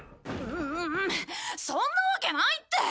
そんなわけないって！